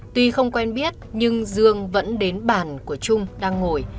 tuy không quen biết nhưng dương vẫn đến bàn của trung đang ngồi